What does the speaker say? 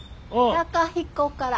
貴彦から。